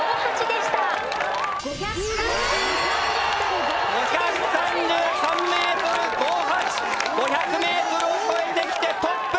５００ｍを越えてきてトップ。